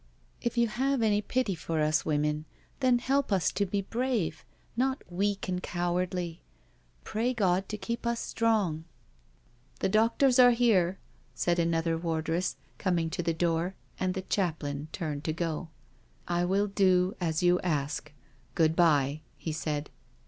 " If you have any pity for us women, then help us to be brave/ not weak and cowardly. Pray God to keep us strong." " The doctors are here," said another wardress, coming to the door, and the chaplain turned to go. " I will do as you ask. Good bye," he said.